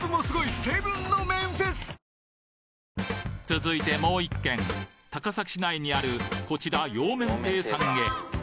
続いてもう１軒高崎市内にあるこちら洋麺亭さんへ。